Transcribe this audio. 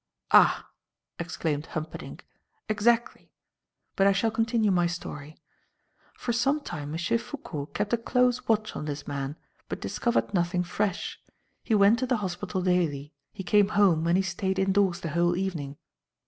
"Ah!" exclaimed Humperdinck. "Exactly. But I shall continue my story. For some time M. Foucault kept a close watch on this man, but discovered nothing fresh. He went to the hospital daily, he came home, and he stayed indoors the whole evening.